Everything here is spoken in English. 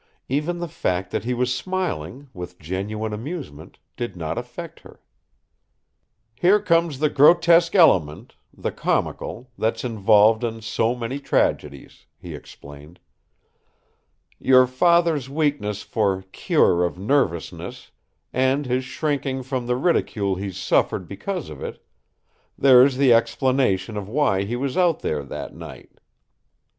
Even the fact that he was smiling, with genuine amusement, did not affect her. "Here comes the grotesque element, the comical, that's involved in so many tragedies," he explained. "Your father's weakness for 'cure' of nervousness, and his shrinking from the ridicule he's suffered because of it there's the explanation of why he was out there that night."